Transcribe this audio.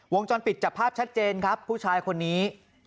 วงจรปิดจับภาพชัดเจนครับผู้ชายคนนี้